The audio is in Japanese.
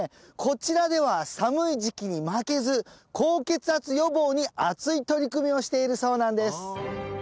こちらでは寒い時期に負けず高血圧予防に熱い取り組みをしているそうなんです